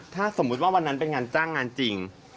ถ้าสมมุติว่าวันนั้นเป็นงานจ้างงานจริง